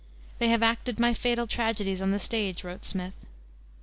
"They have acted my fatal tragedies on the stage," wrote Smith.